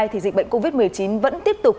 thì dịch bệnh covid một mươi chín vẫn tiếp tục